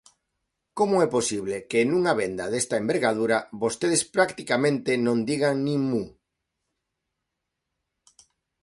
¿Como é posible que nunha venda desta envergadura vostedes practicamente non digan nin mu?